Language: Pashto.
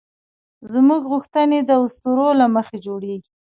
زموږ غوښتنې د اسطورو له مخې جوړېږي.